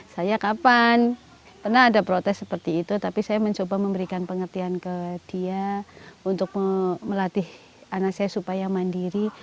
saya kapan pernah ada protes seperti itu tapi saya mencoba memberikan pengertian ke dia untuk melatih anak saya supaya mandiri